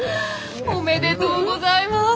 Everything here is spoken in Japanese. おめでとうございます。